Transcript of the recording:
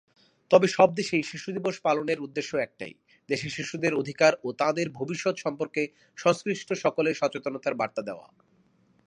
তবে সব দেশেই শিশু দিবস পালনের উদ্দেশ্য একটাই, দেশের শিশুদের অধিকার ও তাঁদের ভবিষ্যৎ সম্পর্কে সংশ্লিষ্ট সকলকে সচেতনতার বার্তা দেওয়া।